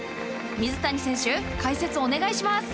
水谷選手、解説、お願いします。